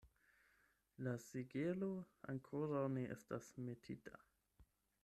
La sigelo ankoraŭ ne estas metita.